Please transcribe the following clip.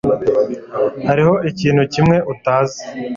hariho ikintu kimwe utazi